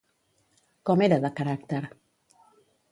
Com era de caràcter?